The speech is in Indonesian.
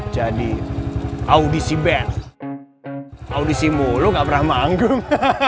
jadi audisi band audisi mulu gak beramah anggung